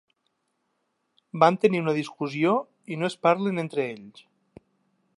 Van tenir una discussió i no es parlen entre ells.